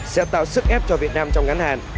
sẽ tạo sức ép cho việt nam trong ngắn hạn